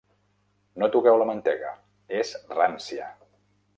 No toqueu la mantega. És rància!